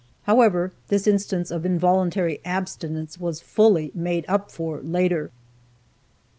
However, this instance of involuntary abstinence was fully made up for later.